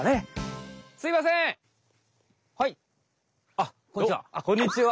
あっこんにちは。